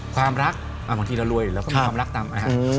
ความรักบางทีเรารวยแล้วก็มีความรักตำ